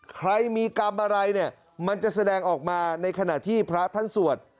ใครมีกรรมอะไรเนี่ยมันจะแสดงออกมาในขณะที่พระท่านสวด